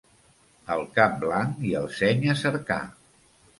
El cap blanc i el seny a cercar.